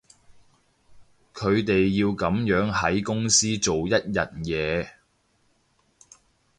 佢哋要噉樣喺公司做一日嘢